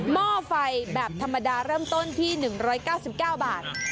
ห้อไฟแบบธรรมดาเริ่มต้นที่๑๙๙บาท